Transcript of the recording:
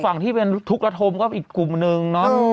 ฝั่งที่เป็นทุกระทมก็อีกกลุ่มนึงเนอะ